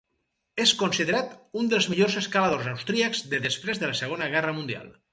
És considerat un dels millors escaladors austríacs de després de la Segona Guerra Mundial.